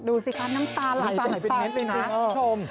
ดูสิคะน้ำตาหลายฝั่งฝั่ง